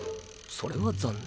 それは残念。